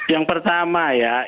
yang pertama ya